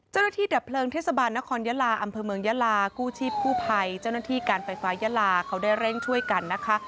ดับเพลิงเทศบาลนครยะลาอำเภอเมืองยาลากู้ชีพกู้ภัยเจ้าหน้าที่การไฟฟ้ายาลาเขาได้เร่งช่วยกันนะคะ